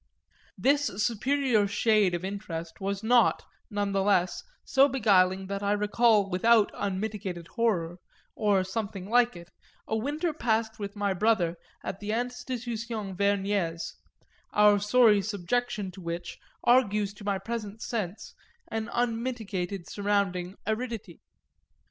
This superior shade of interest was not, none the less, so beguiling that I recall without unmitigated horror, or something very like it, a winter passed with my brother at the Institution Vergnès; our sorry subjection to which argues to my present sense an unmitigated surrounding aridity.